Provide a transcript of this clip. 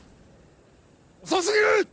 遅過ぎる！